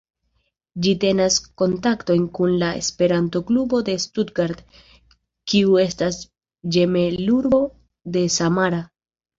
Ĝi tenas kontaktojn kun la esperanto-klubo de Stuttgart, kiu estas ĝemelurbo de Samara.